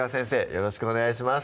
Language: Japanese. よろしくお願いします